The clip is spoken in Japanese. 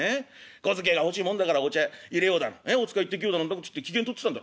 小遣え欲しいもんだからお茶いれようだのお使い行ってきようだの機嫌とってたんだろ。